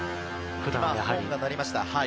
ホーンが鳴りました。